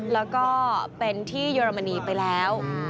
แล้วก็เป็นที่เยอรมนีไปแล้ว